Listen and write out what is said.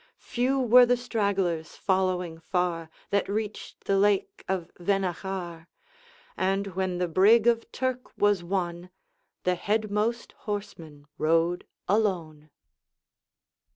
Few were the stragglers, following far, That reached the lake of Vennachar; And when the Brigg of Turk was won, The headmost horseman rode alone.